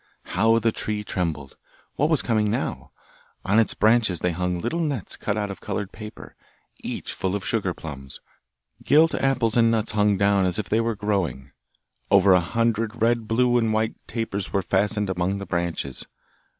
How the tree trembled! What was coming now? On its branches they hung little nets cut out of coloured paper, each full of sugarplums; gilt apples and nuts hung down as if they were growing, over a hundred red, blue, and white tapers were fastened among the branches.